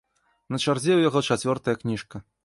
На чарзе ў яго чацвёртая кніжка.